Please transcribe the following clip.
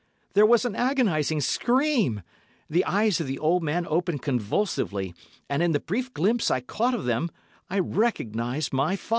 There was an agonising scream—the eyes of the old man opened convulsively, and in the brief glimpse I caught of them, I recognised my father.